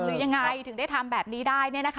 หรือยังไงถึงได้ทำแบบนี้ได้